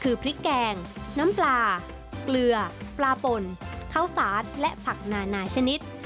คือพริกแกงน้ำปลาเกลือปลาป่นข้าวสาดและผักนานาชนิด